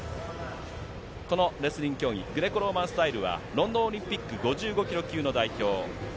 レスリング競技のグレコローマンスタイルはロンドンオリンピック５５ｋｇ級の代表。